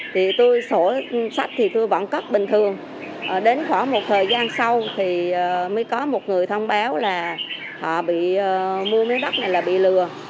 thì tôi sổ sách thì tôi vẫn cấp bình thường đến khoảng một thời gian sau thì mới có một người thông báo là họ bị mua miếng đất này là bị lừa